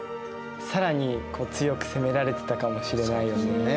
更に強く攻められてたかもしれないよね。